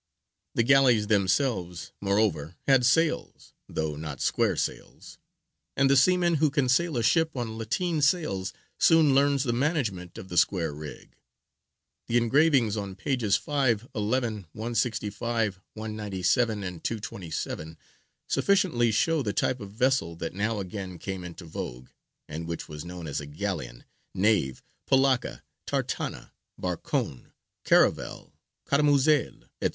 The galleys themselves, moreover, had sails, though not square sails; and the seaman who can sail a ship on lateen sails soon learns the management of the square rig. The engravings on pp. 5, 11, 165, 197, and 227 sufficiently show the type of vessel that now again came into vogue, and which was known as a galleon, nave, polacca, tartana, barcone, caravel, caramuzel, &c.